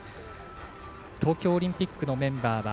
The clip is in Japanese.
東京オリンピックのメンバー。